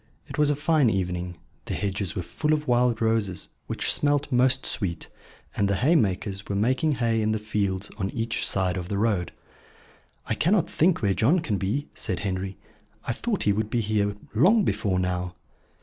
It was a fine evening. The hedges were full of wild roses, which smelt most sweet; and the haymakers were making hay in the fields on each side of the road. "I cannot think where John can be," said Henry. "I thought he would be here long before now."